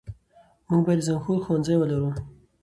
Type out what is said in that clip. موږ بايد د جنګښود ښوونځی ولرو .